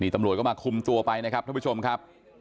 นี่ตำรวจเข้ามาคุมตัวไปนะครับทุกผู้ชมครับ